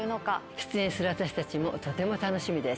出演する私たちもとても楽しみです。